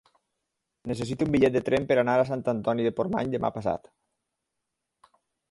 Necessito un bitllet de tren per anar a Sant Antoni de Portmany demà passat.